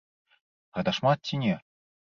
Гэта шмат ці не?